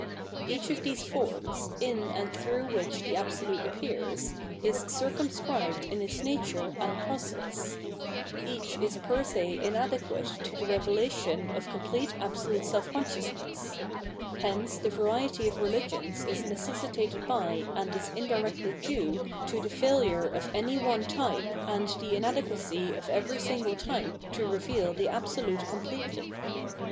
Each of these forms, in and through which the Absolute appears, is circumscribed in its nature and process ; each is per se inadequate to the revelation of complete absolute self consciousness : bence the variety of religions is necessitated by and is indirectly due to the failure of any one type and the inadequacy of every single type to reveal the Absolute com pletely.